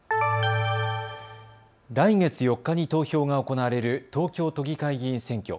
来月４日に投票が行われる東京都議会議員選挙。